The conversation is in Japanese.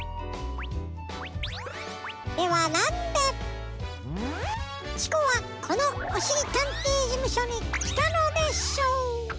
ではなんでチコはこのおしりたんていじむしょにきたのでしょう？